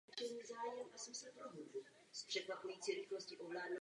Pilotní oprávnění vyššího stupně zahrnuje práva všech nižších stupňů.